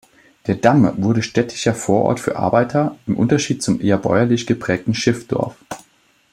Der „Damm“ wurde städtischer Vorort für Arbeiter, im Unterschied zum eher bäuerlich geprägten Schiffdorf.